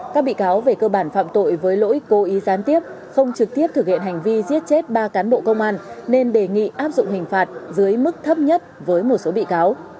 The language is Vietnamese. các bị cáo về cơ bản phạm tội với lỗi cố ý gián tiếp không trực tiếp thực hiện hành vi giết chết ba cán bộ công an nên đề nghị áp dụng hình phạt dưới mức thấp nhất với một số bị cáo